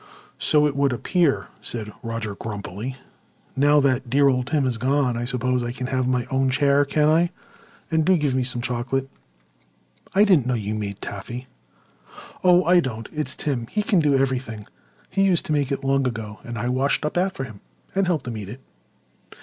"So it would appear," said Roger grumpily. "Well, now that 'dear old Tim' is gone, I suppose I can have my own chair, can I? And do give me some chocolate. I didn't know you made taffy." "Oh, I don't. It's Tim. He can do everything. He used to make it long ago, and I washed up after him and helped him eat it.